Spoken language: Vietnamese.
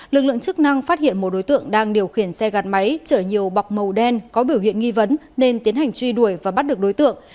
lực lượng chức năng phát hiện một đối tượng đang điều khiển xe gạt máy chở nhiều bọc màu đen có biểu hiện nghi vấn nên tiến hành truy đuổi và bắt được đối tượng